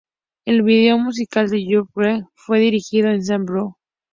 El video musical de "You're Beautiful" fue dirigido por Sam Brown.